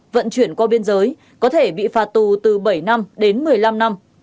vận chuyển qua biên giới có thể bị phạt tù từ bảy năm đến một mươi năm năm